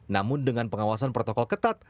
namun dengan pengawasan protokol ketat